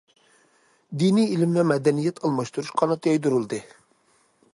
دىنىي ئىلىم ۋە مەدەنىيەت ئالماشتۇرۇش قانات يايدۇرۇلدى.